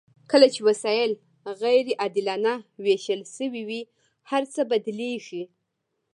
کله چې وسایل غیر عادلانه ویشل شوي وي هرڅه بدلیږي.